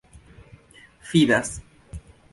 fidas